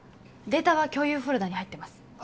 データは共有フォルダに入ってます